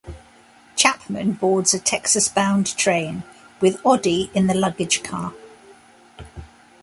Chapman boards a Texas-bound train, with Odie in the luggage car.